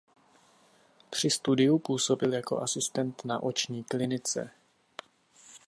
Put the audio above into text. Při studiu působil jako asistent na oční klinice.